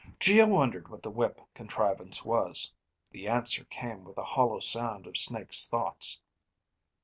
Geo wondered what the whip contrivance was. The answer came with the hollow sound of Snake's thoughts.